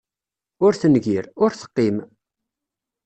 Ur tengir, ur teqqim.